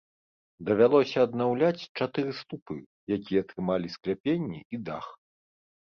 Давялося аднаўляць чатыры слупы, якія трымалі скляпенні і дах.